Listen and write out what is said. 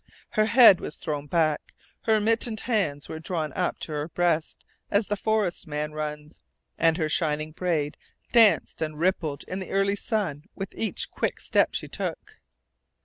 Her head was thrown back, her mittened hands were drawn up to her breast as the forest man runs, and her shining braid danced and rippled in the early sun with each quick step she took.